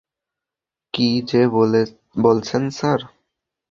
কী যে বলছেন, স্যার।